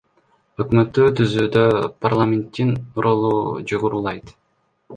Өкмөттү түзүүдө парламенттин ролу жогорулайт.